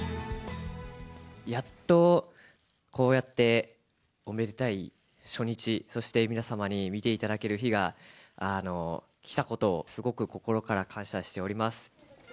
やっとこうやっておめでたい初日、そして皆様に見ていただける日が来たことを、すごく心から感謝しております。